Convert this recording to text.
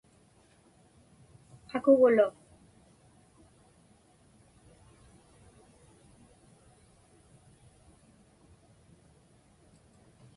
Qakugulu.